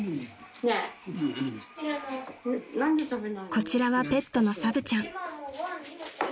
［こちらはペットのサブちゃん］